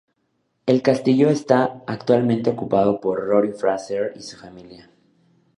El castillo está actualmente ocupado por Rory Fraser y su familia.